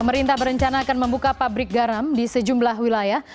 pemerintah berencana akan membuka pabrik garam di sejumlah wilayah